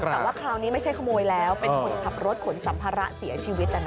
แต่ว่าคราวนี้ไม่ใช่ขโมยแล้วเป็นคนขับรถขนสัมภาระเสียชีวิต